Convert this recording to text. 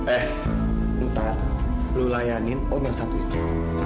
eh ntar lu layanin om yang satu aja